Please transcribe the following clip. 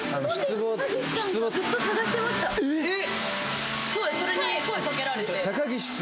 えっ！？